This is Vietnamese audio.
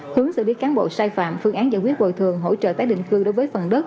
hướng sự biết cán bộ sai phạm phương án giải quyết bồi thường hỗ trợ tác định cư đối với phần đất